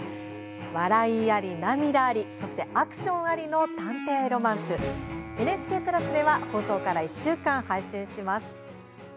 笑いあり涙ありそしてアクションありの「探偵ロマンス」ＮＨＫプラスでは放送から１週間、配信します。